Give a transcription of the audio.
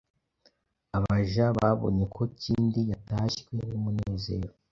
Abaja babonye ko Kindi yatashywe n’umunezero,